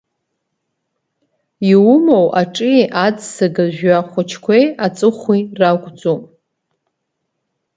Иумоу аҿи, аӡсага жәҩа хәыҷқәеи, аҵыхәеи ракәӡоуп.